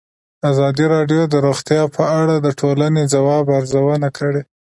ازادي راډیو د روغتیا په اړه د ټولنې د ځواب ارزونه کړې.